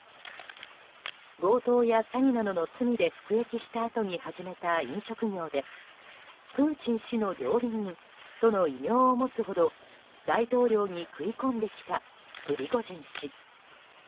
強盗や詐欺などの罪で服役したあとに始めた飲食業でプーチン氏の料理人との異名を持つほど大統領に食い込んできたプリゴジン氏。